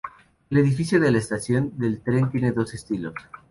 El edificio de la estación del tren tiene dos estilos.